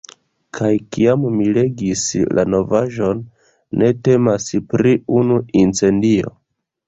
Kaj kiam mi legis la novaĵon, ne temas pri unu incendio.